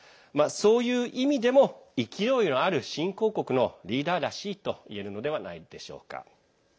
そういう意味でも、勢いのある新興国のリーダーらしいといえるのではないでしょうか。